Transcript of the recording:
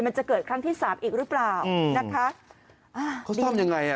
มันจะเกิดครั้งที่สามอีกหรือเปล่านะคะอ่าเขาทำยังไงอ่ะ